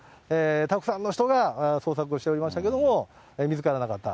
たくさんの人が捜索をしておりましたけれども、見つからなかった。